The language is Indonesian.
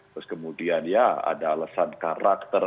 terus kemudian ya ada alasan karakter